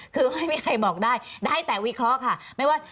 คือไม่มีใครบอกได้ได้แต่วิเคราะห์ค่ะ